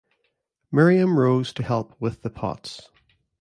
Miriam rose to help with the pots.